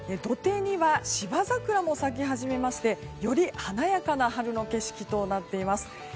土手には、芝桜も咲き始めましてより華やかな春の景色となっています。